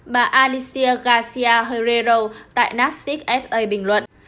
mr garcia herrero tại nasdaq sa bình luận